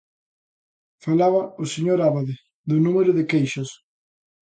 Falaba o señor Abade do número de queixas.